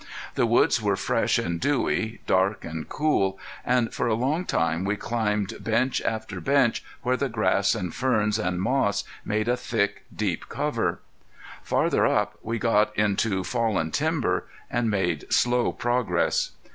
The woods were fresh and dewy, dark and cool, and for a long time we climbed bench after bench where the grass and ferns and moss made a thick, deep cover. Farther up we got into fallen timber and made slow progress.